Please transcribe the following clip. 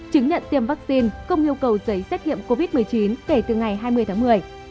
chứng nhận tiêm vaccine không yêu cầu giấy xét nghiệm covid một mươi chín kể từ ngày hai mươi tháng một mươi